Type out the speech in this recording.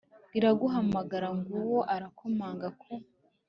riraguhamagara, ng'uwo arakomanga ku